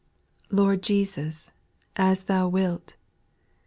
8. Lord Jesus, as Thou wilt